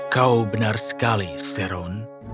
kau benar sekali saron